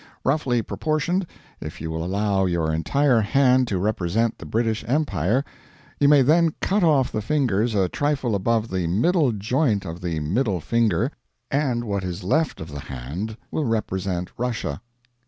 Roughly proportioned, if you will allow your entire hand to represent the British Empire, you may then cut off the fingers a trifle above the middle joint of the middle finger, and what is left of the hand will represent Russia.